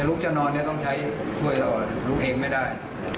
ลูกจะนอนนี่ต้องใช้ข้วยลูกเองไม่ได้